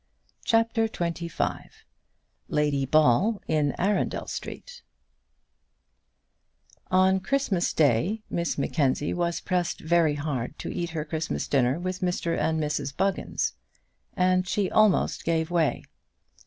CHAPTER XXV Lady Ball in Arundel Street On Christmas Day Miss Mackenzie was pressed very hard to eat her Christmas dinner with Mr and Mrs Buggins, and she almost gave way.